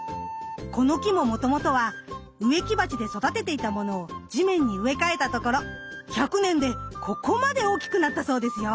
この木ももともとは植木鉢で育てていたものを地面に植え替えたところ１００年でここまで大きくなったそうですよ。